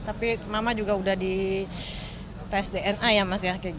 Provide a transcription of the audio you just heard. tapi mama juga udah di tes dna ya mas ya